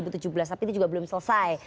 tapi itu juga belum selesai